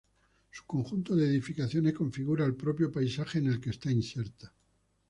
Su conjunto de edificaciones configura el propio paisaje en el que está inserta.